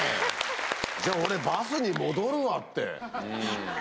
じゃあ俺バスに戻るわって。びっくり。